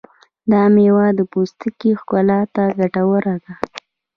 دا مېوه د پوستکي ښکلا ته ګټوره ده.